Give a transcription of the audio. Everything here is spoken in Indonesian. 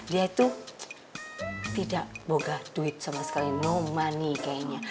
dia itu tidak boga duit sama sekali no money kayaknya